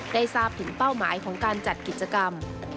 ได้ทราบถึงเป้าหมายของการจัดกิจกรรม